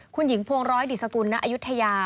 คุณหญิงพวงร้อยดิสกุลณอายุทยา